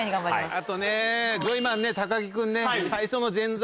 あとねジョイマンね高木君ね最初の。